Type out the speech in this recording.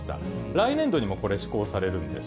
来年度にもこれ、施行されるんです。